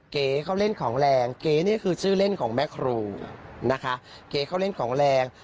เก๋เขาเล่นของแรงเก๋นี่คือชื่อเล่นของแม่ครูนะคะเก๋เขาเล่นของแรง